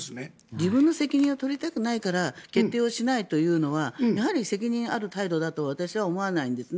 自分の責任を取りたくないから決定をしないというのは責任のある態度だとは私は思わないんですね。